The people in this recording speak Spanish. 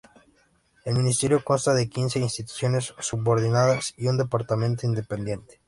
El ministerio consta de quince instituciones subordinadas y un departamento independiente.